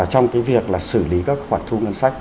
trong cái việc là xử lý các khoản thu ngân sách